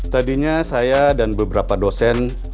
tadinya saya dan beberapa dosen